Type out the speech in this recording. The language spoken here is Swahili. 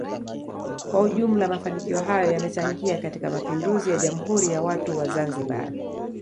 kwa ujumla mafanikio hayo yamechangia katika mapinduzi ya jamhuri ya watu wa Zanzibar